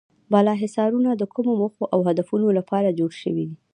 بالا حصارونه د کومو موخو او هدفونو لپاره جوړ شوي.